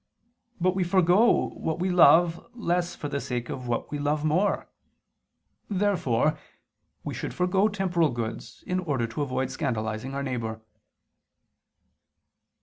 But we forego what we love less for the sake of what we love more. Therefore we should forego temporal goods in order to avoid scandalizing our neighbor.